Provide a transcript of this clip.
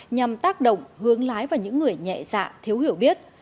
nhằm tác động hướng lái vào những người nhẹ dạ thiếu hiểu biết